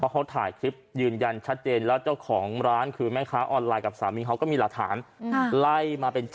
เพราะเขาถ่ายคลิปยืนยันชัดเจนแล้วเจ้าของร้านคือไหมคะออนไลน์กับสามิงเขาก็มี